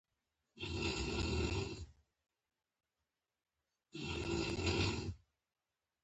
پښتانه په پښتو مئین خلک دی